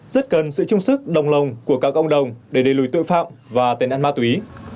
rất cần sự chung sức đồng lòng của các cộng đồng để đề lùi tội phạm và tên ăn ma túy